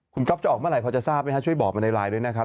คุณก๊อฟจะออกเมื่อไหพอจะทราบไหมฮะช่วยบอกมาในไลน์ด้วยนะครับ